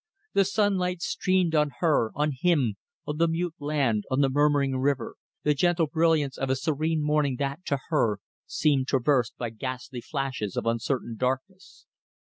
The sunlight streamed on her, on him, on the mute land, on the murmuring river the gentle brilliance of a serene morning that, to her, seemed traversed by ghastly flashes of uncertain darkness.